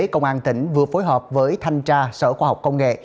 công an tỉnh vừa phối hợp với thanh tra sở khoa học công nghệ